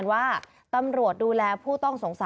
และความสุขของคุณค่ะ